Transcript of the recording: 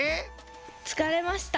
つかれました。